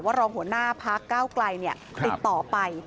รองหัวหน้าพักเก้าไกลติดต่อไป